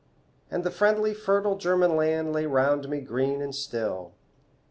And the friendly fertile German land Lay round me green and still.